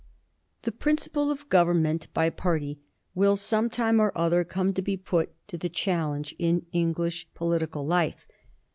The principle of government by party will some time or other come to be put to the challenge in English political life.